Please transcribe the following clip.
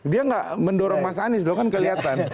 dia nggak mendorong mas anies loh kan kelihatan